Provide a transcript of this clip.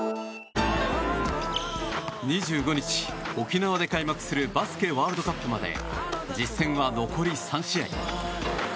２５日、沖縄で開幕するバスケワールドカップまで実戦は残り３試合。